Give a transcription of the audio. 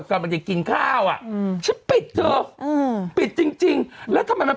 กำลังจะกินข้าวอ่ะอืมฉันปิดเธออืมปิดจริงจริงแล้วทำไมมัน